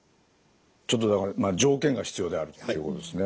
ちょっとだから条件が必要であるということですね。